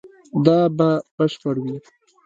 دا به بشپړ وي